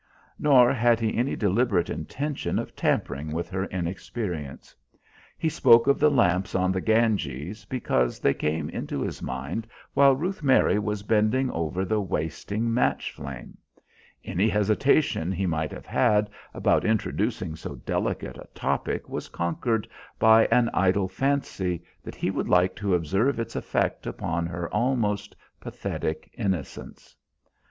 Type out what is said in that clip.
Nor had he any deliberate intention of tampering with her inexperience. He spoke of the lamps on the Ganges because they came into his mind while Ruth Mary was bending over the wasting match flame; any hesitation he might have had about introducing so delicate a topic was conquered by an idle fancy that he would like to observe its effect upon her almost pathetic innocence.